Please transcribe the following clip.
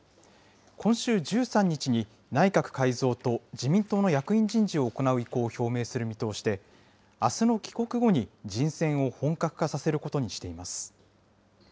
今週１３日に、内閣改造と自民党の役員人事を行う意向を表明する見通しで、あすの帰国後に、人選を本格化させることにしています。